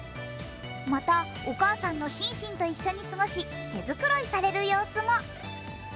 また、お母さんのシンシンと一緒に過ごし、毛づくろいされる様子も。